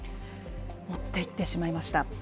持っていってしまいました。